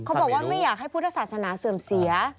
บอกว่าไม่อยากให้พุทธศาสนาเสื่อมเสีย